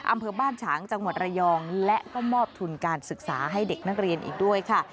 อำเภอบ้านฉางจังหวัดระยองและก็มอบทุนการศึกษาให้เด็กนักเรียนอีกด้วยค่ะ